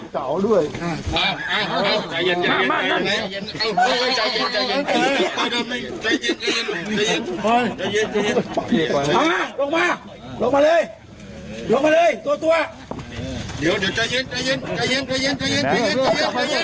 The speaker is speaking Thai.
ใจเย็นใจเย็นใจเย็นใจเย็นใจเย็นใจเย็นใจเย็นใจเย็น